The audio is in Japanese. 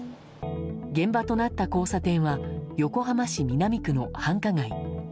現場となった交差点は横浜市南区の繁華街。